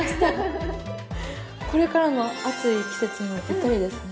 これからの暑い季節にもぴったりですね。